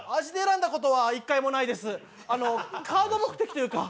味で選んだことは１回もないですカード？